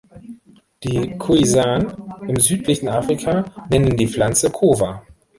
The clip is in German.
Die Khoisan im südlichen Afrika nennen die Pflanze „Kowa“.